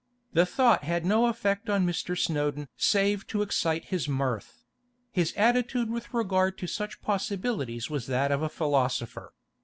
The thought had no effect upon Mr. Snowdon save to excite his mirth; his attitude with regard to such possibilities was that of a philosopher.